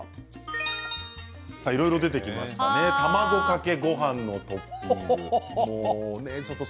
いろいろ出てきましたけれど卵かけごはんにトッピングしたり。